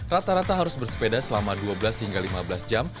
rata rata harus bersepeda selama dua belas hingga lima belas jam